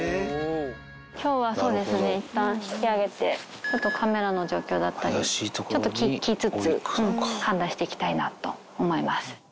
きょうはそうですね、いったん引き上げて、ちょっとカメラの状況だったり、ちょっと聞きつつ、判断していきたいなと思います。